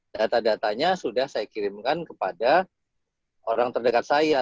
kejahatannya sudah saya kirimkan kepada orang terdekat saya